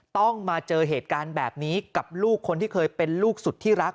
ต้องมาเจอเหตุการณ์แบบนี้กับลูกคนที่เคยเป็นลูกสุดที่รัก